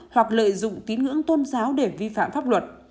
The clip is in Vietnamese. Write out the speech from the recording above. hoặc lợi dụng tín ngưỡng tôn giáo để vi phạm pháp luật